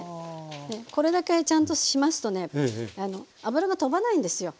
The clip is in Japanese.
これだけちゃんとしますとね油が飛ばないんですよ。